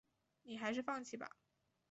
你还是放弃吧